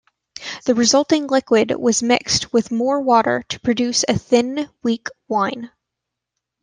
The resulting liquid was mixed with more water to produce a thin, weak wine.